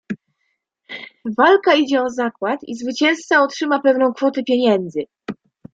"Walka idzie o zakład i zwycięzca otrzyma pewną kwotę pieniędzy."